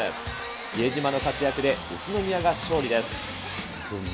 比江島の活躍で、宇都宮が勝利です。